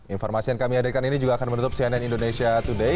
informasi yang kami hadirkan ini juga akan menutup cnn indonesia today